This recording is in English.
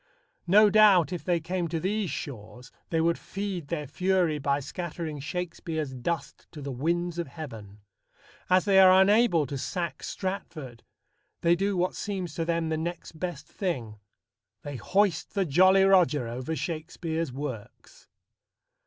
No doubt, if they came to these shores, they would feed their fury by scattering Shakespeare's dust to the winds of heaven. As they are unable to sack Stratford, they do what seems to them the next best thing: they hoist the Jolly Roger over Shakespeare's works.